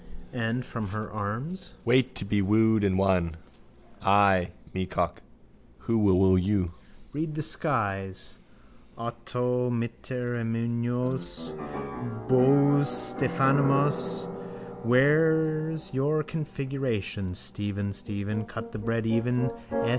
And from her arms. Wait to be wooed and won. Ay, meacock. Who will woo you? Read the skies. Autontimorumenos. Bous Stephanoumenos. Where's your configuration? Stephen, Stephen, cut the bread even.